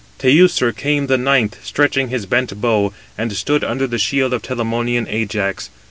Teucer came the ninth, stretching his bent 277 bow, and stood under the shield of Telamonian Ajax.